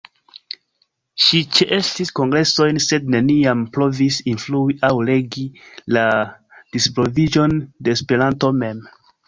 Ŝi ĉeestis kongresojn, sed neniam provis influi aŭ regi la disvolviĝon de Esperanto mem.